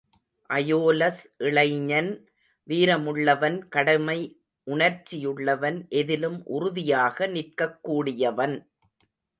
அயோலஸ் இளைஞன் வீரமுள்ளவன் கடமை உணர்ச்சியுள்ளவன் எதிலும் உறுதியாக நிற்கக்கூடியவன்.